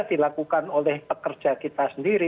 dilakukan oleh pekerja kita sendiri